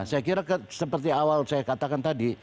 saya kira seperti awal saya katakan tadi